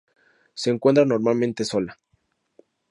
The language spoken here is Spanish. Se encuentra normalmente sola.